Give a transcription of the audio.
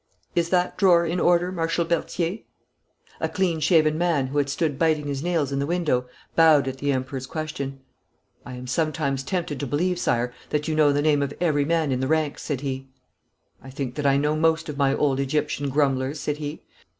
Is that drawer in order, Marshal Berthier?' A clean shaven man, who had stood biting his nails in the window, bowed at the Emperor's question. 'I am sometimes tempted to believe, Sire, that you know the name of every man in the ranks,' said he. 'I think that I know most of my old Egyptian grumblers,' said he.